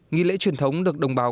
nghỉ lễ truyền thống được đồng bào